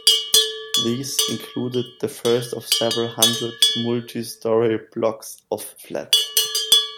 These included the first of several hundred multi-storey blocks of flats.